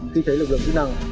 khi thấy lực lượng chức năng